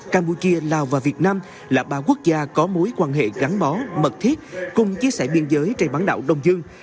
campuchia lào và việt nam là ba quốc gia có mối quan hệ gắn bó mật thiết cùng chia sẻ biên giới trên bán đảo đông dương